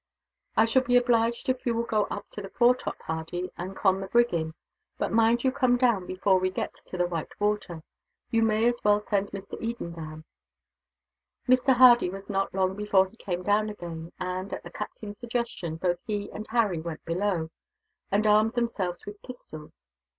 "I shall be obliged if you will go up to the foretop, Hardy, and con the brig in; but mind you, come down before we get to the white water. You may as well send Mr. Eden down." Mr. Hardy was not long before he came down again and, at the captain's suggestion, both he and Harry went below, and armed themselves with pistols.